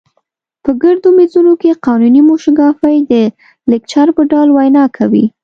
په ګردو میزونو کې قانوني موشګافۍ د لیکچر په ډول وینا کوي.